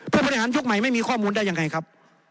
ผู้บริหารยุคใหม่ไม่มีข้อมูลได้ยังไงครับ